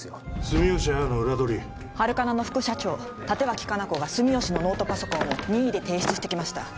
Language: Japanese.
住吉亜矢の裏取りハルカナの副社長立脇香菜子が住吉のノートパソコンを任意で提出してきました